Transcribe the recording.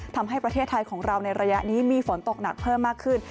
ทำให้ประเทศไทยของเราในระยะนี้มีฝนตกหนักเพิ่มมากขึ้น